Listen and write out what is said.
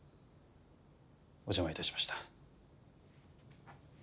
お邪魔致しました。